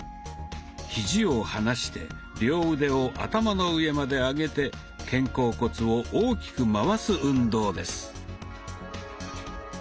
ひじを離して両腕を頭の上まで上げて肩甲骨を大きく回す運動です。